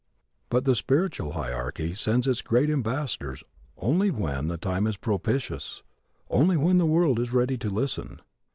But the spiritual hierarchy sends its great ambassadors only when the time is propitious, only when the world is ready to listen.